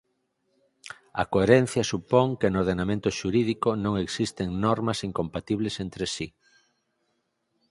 A coherencia supón que no ordenamento xurídico non existen normas incompatibles entre si.